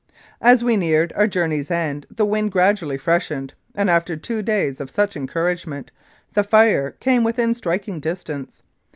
As we neared our journey's end the wind gradually freshened, and after two days of such encouragement the fire came within striking distance.